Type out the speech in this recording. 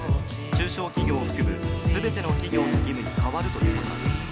中小企業を含む全ての企業の義務に変わるということなんです